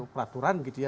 peraturan gitu ya